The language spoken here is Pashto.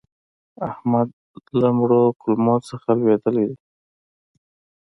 احمد له مړو کلمو څخه لوېدلی دی.